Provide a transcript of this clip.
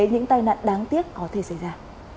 những tai nạn đáng tiếc có thể xảy ra